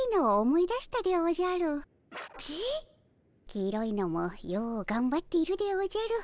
黄色いのもようがんばっているでおじゃる。